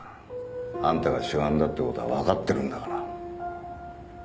あんたが主犯だってことはわかってるんだから。